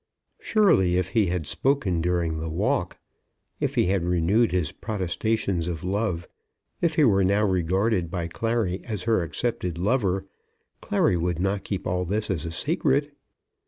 Surely if he had spoken during the walk, if he had renewed his protestations of love, if he were now regarded by Clary as her accepted lover, Clary would not keep all this as a secret!